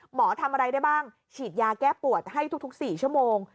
ทำอะไรได้บ้างฉีดยาแก้ปวดให้ทุก๔ชั่วโมง